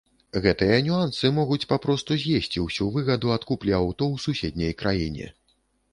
Гэтыя нюансы могуць папросту з'есці ўсю выгаду ад куплі аўто ў суседняй краіне.